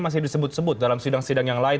masih disebut sebut dalam sidang sidang yang lain